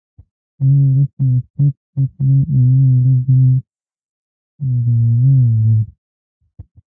نیمه ورځ به مکتب ته تلم او نیمه ورځ به مې جوالونه وړل.